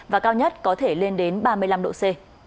và cao nhất có thể lên đến ba mươi năm độ c